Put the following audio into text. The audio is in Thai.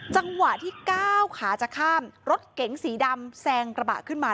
จังหวะที่ก้าวขาจะข้ามรถเก๋งสีดำแซงกระบะขึ้นมา